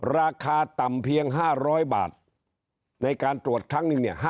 ราคาต่ำเพียง๕๐๐บาทในการตรวจครั้งนึงเนี่ย